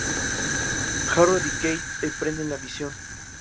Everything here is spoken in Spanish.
Jarrod y Kate emprenden la misión.